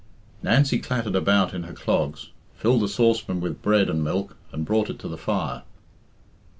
Nancy clattered about in her clogs, filled a saucepan with bread and milk, and brought it to the fire.